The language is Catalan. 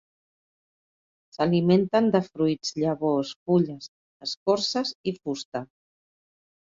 S'alimenten de fruits, llavors, fulles, escorces i fusta.